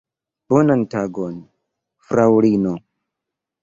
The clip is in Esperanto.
Bonan tagon, fraŭlino!